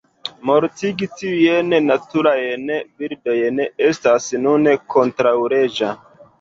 Mortigi tiujn naturajn birdojn estas nune kontraŭleĝa.